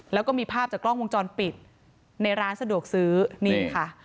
แล้วก็มีภาพจากกล้องวงจรปิดในร้านสะดวกซื้อนี่ค่ะ